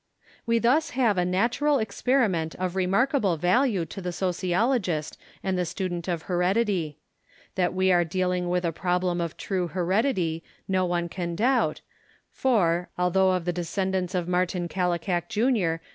We thus have a natural experiment of remarkable value to the sociologist and the student of heredity. That we are dealing with a problem of true heredity, no one can doubt, for, although of the descendants of Martin Kallikak Jr.